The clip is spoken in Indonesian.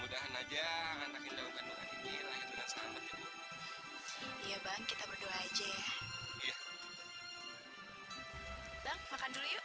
oh iya nanti kamu nggak usah bawain makanan ke sawah deh